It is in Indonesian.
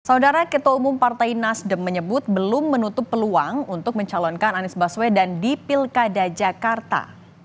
saudara ketua umum partai nasdem menyebut belum menutup peluang untuk mencalonkan anies baswedan di pilkada jakarta